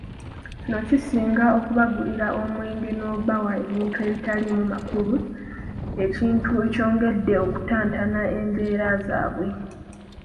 Kino kisinga okubagulira omwenge n'okubawa ebintu omutali makulu, ekintu ekyongedde okuttattana embeera zaabwe.